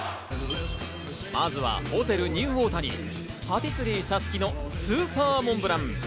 まずはホテルニューオータニ、パティスリーＳＡＴＳＵＫＩのスーパーモンブラン。